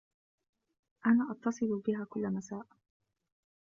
أنا أتصِل بها كُل مساء.